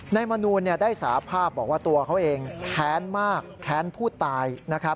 มนูลได้สาภาพบอกว่าตัวเขาเองแค้นมากแค้นผู้ตาย